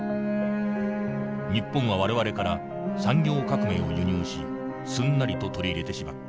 日本は我々から産業革命を輸入しすんなりと取り入れてしまった。